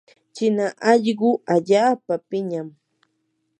china allquu allaapa piñam.